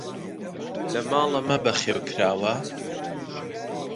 لە ماڵە مە بەخێو کراوە!